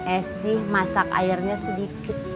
esy masak airnya sedikit